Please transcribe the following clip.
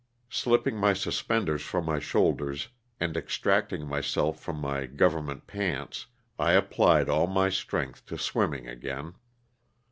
Slipping my suspenders from my shoulders and extracting myself from my government pants, I ap plied all my strength to swimming again.